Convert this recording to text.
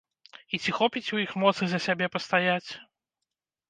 І ці хопіць у іх моцы за сябе пастаяць?